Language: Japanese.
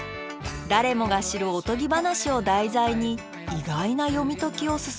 誰もが知るおとぎ話を題材に意外な読み解きを進めて